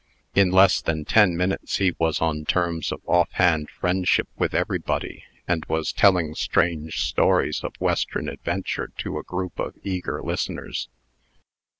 In less than ten minutes, he was on terms of off hand friendship with everybody, and was telling strange stories of Western adventure to a group of eager listeners.